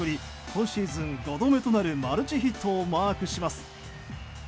今シーズン５度目となるマルチヒットをマークします。